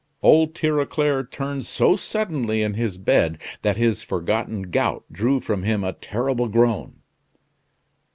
Old Tirauclair turned so suddenly in his bed that his forgotten gout drew from him a terrible groan.